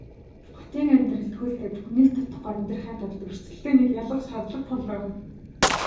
Хотын амьдралд хөл тавьж хүнээс дутахгүй амьдрахын тулд өрсөлдөөнийг ялах шаардлага тулгарна.